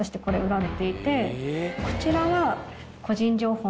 こちらは。